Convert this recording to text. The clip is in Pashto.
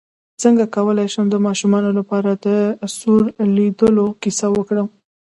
څنګه کولی شم د ماشومانو لپاره د سور لویدو کیسه وکړم